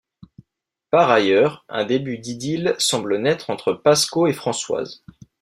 Par ailleurs un début d'idylle semble naître entre Pascaud et Françoise.